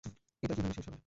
এটা কিভাবে শেষ হবে?